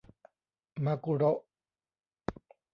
มากุโระ !